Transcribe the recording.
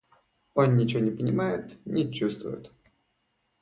Он ничего не понимает, не чувствует.